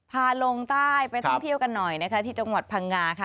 ลงใต้ไปท่องเที่ยวกันหน่อยนะคะที่จังหวัดพังงาค่ะ